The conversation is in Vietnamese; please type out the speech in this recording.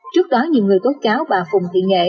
trước đó nhiều người tố cáo bà phùng thị nghệ